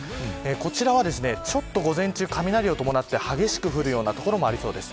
こちらは午前中、雷を伴って激しく降るような所もありそうです。